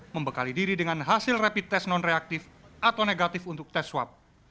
membekali diri dengan hasil rapid test non reaktif atau negatif untuk tes swab